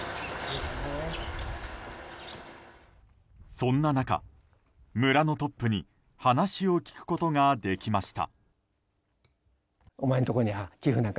そんな中、村のトップに話を聞くことができました。